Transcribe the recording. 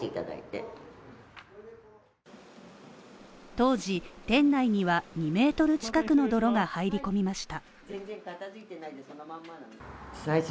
当時、店内には２ｍ近くの泥が入り込みました。